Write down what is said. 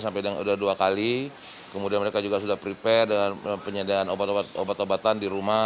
sampai sudah dua kali kemudian mereka juga sudah prepare dengan penyediaan obat obatan di rumah